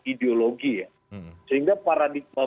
ideologi ya sehingga paradigma